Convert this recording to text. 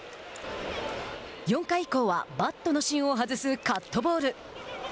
４回以降は、バットの芯を外すカットボール。